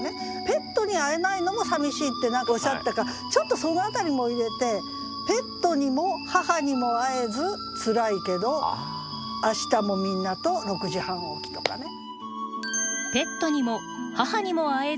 ペットに会えないのもさみしいって何かおっしゃってたからちょっとその辺りも入れて「ペットにも母にも会えずつらいけど明日もみんなと六時半起き」とかね。